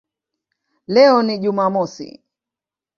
Leo ni Jumamosi".